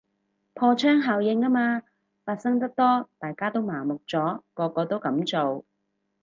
破窗效應吖嘛，發生得多大家都麻木咗，個個都噉做